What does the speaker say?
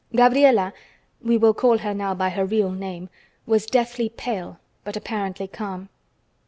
Gabriela (we will call her now by her real name) was deathly pale, but apparently calm.